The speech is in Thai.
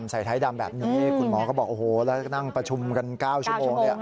ใส่ไทดำแบบนี้คุณหมอก็บอกโอ้โฮแล้วก็นั่งประชุมกัน๙ชั่วโมง